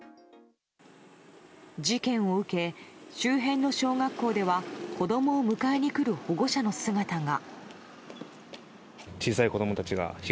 事件を受け、周辺の小学校では子供を迎えに来る保護者の姿が。